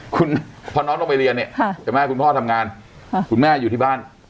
คุณพอน้องลงไปเรียนเนี่ยใช่ไหมคุณพ่อทำงานคุณแม่อยู่ที่บ้าน